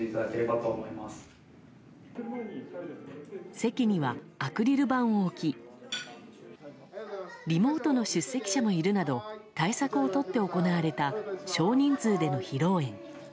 席にはアクリル板を置きリモートの出席者もいるなど対策をとって行われた少人数での披露宴。